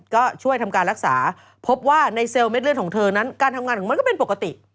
ก็ช่วยทำการรักษาพบว่าในเซลล์เด็ดเลือดของเธอนั้นการทำงานของมันก็เป็นปกติ